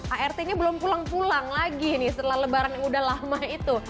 art nya belum pulang pulang lagi nih setelah lebaran yang udah lama itu